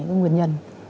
có rất nhiều nguyên nhân